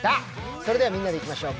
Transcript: それではみんなでいきましょう。